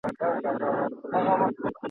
خو د زړه مطلب یې بل وي بل څه غواړي !.